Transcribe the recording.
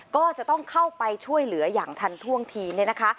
ก็จะต้องเข้าไปช่วยเหลืออย่างทันท่วงทีเนี่ยนะคะ